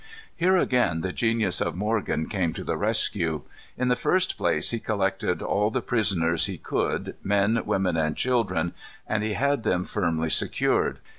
Here again the genius of Morgan came to the rescue. In the first place he collected all the prisoners he could, men, women, and children, and had them firmly secured.